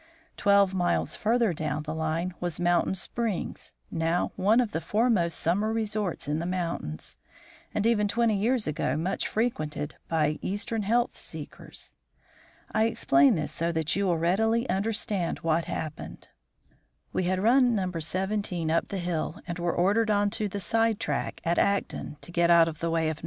Twelve miles further down the line was Mountain Springs, now one of the foremost summer resorts in the mountains, and even twenty years ago much frequented by Eastern health seekers. I explain this so that you will readily understand what happened. We had run No. 17 up the hill and were ordered on to the side track at Acton to get out of the way of No.